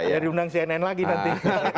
ya diundang cnn lagi nanti